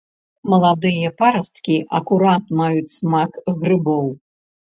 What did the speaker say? Маладыя парасткі акурат маюць смак грыбоў.